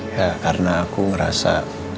ya karena aku ngerasa